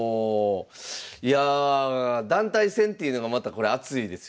いやあ団体戦っていうのがまたこれ熱いですよね。